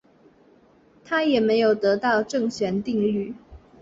他也没有得到正弦定律。